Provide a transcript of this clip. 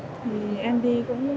thì em đi